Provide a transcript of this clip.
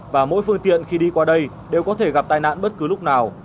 và mỗi phương tiện khi đi qua đây đều có thể gặp tai nạn bất cứ lúc nào